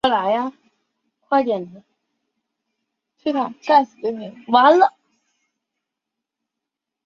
遗体于火化后迁往美国旧金山寓所。